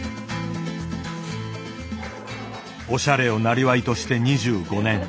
おしゃれを生業として２５年。